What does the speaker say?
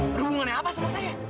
berhubungannya apa sama saya